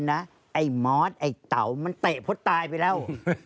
ไอม้องไอเท๋วมันแตะพุธตายไปแล้ว